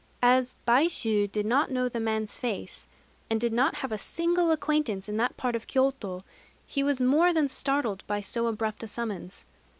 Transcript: As Baishû did not know the man's face, and did not have a single acquaintance in that part of Kyôto, he was more than startled by so abrupt a summons.